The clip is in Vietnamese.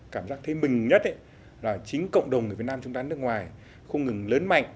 cảm giác thấy mình nhất là chính cộng đồng người việt nam chúng ta ở nước ngoài không ngừng lớn mạnh